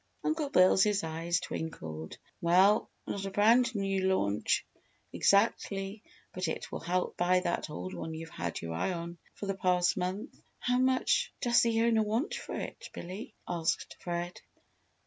Uncle Bill's eyes twinkled. "Well, not a brand new launch exactly, but it will help buy that old one you've had your eye on for the past month!" "How much does the owner want for it, Billy?" asked Fred.